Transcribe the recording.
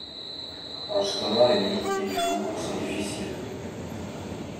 En ce moment les nuits, et les jours, sont difficiles.